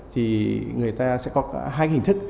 thì người ta sẽ có cả hai hình thức